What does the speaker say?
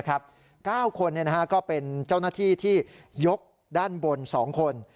๙คนก็เป็นเจ้าหน้าที่ที่ยกด้านบน๒คน